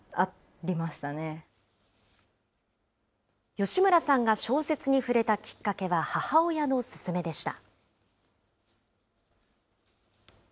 吉村さんが小説に触れたきっかけは、母親のすすめでした。